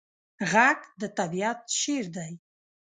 غږ د طبیعت شعر دی